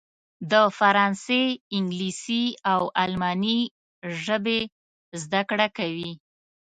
د فرانسې، انګلیسي او الماني ژبې زده کوي.